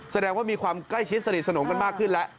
แสดงว่ามีความใกล้ชิดสนิทสนมกันมากขึ้นแล้ว